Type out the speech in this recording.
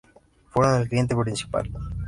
Fueron el cliente principal.